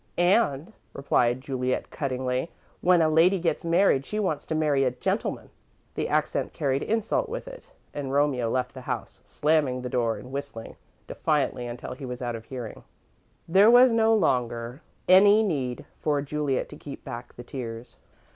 "And," replied Juliet, cuttingly, "when a lady gets married, she wants to marry a gentleman." The accent carried insult with it, and Romeo left the house, slamming the door and whistling, defiantly until he was out of hearing. There was no longer any need for Juliet to keep back the tears.